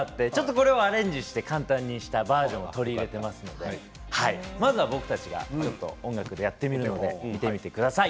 これをアレンジして簡単にしたバージョンを取り入れていますので、まずは僕たちが音楽でやってみるので見てください。